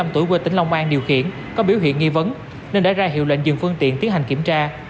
một mươi tuổi quê tỉnh long an điều khiển có biểu hiện nghi vấn nên đã ra hiệu lệnh dừng phương tiện tiến hành kiểm tra